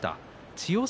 千代翔